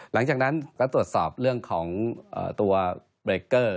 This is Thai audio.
หลังจากนั้นก็ตรวจสอบเรื่องของตัวเบรกเกอร์